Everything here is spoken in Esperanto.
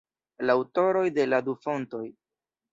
La aŭtoroj de la du fontoj.